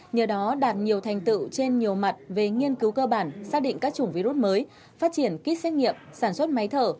nhờ đó đạt nhiều thành tựu trên nhiều mặt về nghiên cứu cơ bản xác định các chủng virus mới phát triển kit xét nghiệm sản xuất máy thở